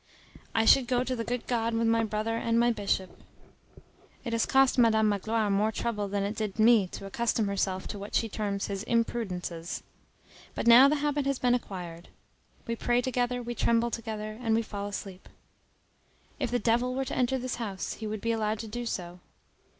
I should go to the good God with my brother and my bishop. It has cost Madam Magloire more trouble than it did me to accustom herself to what she terms his imprudences. But now the habit has been acquired. We pray together, we tremble together, and we fall asleep. If the devil were to enter this house, he would be allowed to do so.